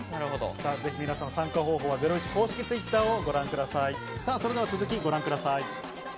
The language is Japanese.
参加方法はゼロイチ公式Ｔｗｉｔｔｅｒをご覧ください。